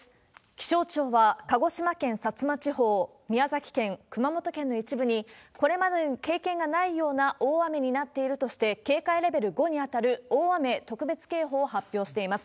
気象庁は、鹿児島県薩摩地方、宮崎県、熊本県の一部に、これまでに経験がないような大雨になっているとして、警戒レベル５に当たる大雨特別警報を発表しています。